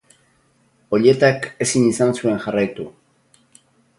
Olletak ezin izan zuen jarraitu.